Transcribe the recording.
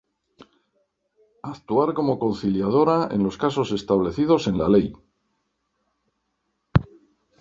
Actuar como conciliadora en los casos establecidos en la ley.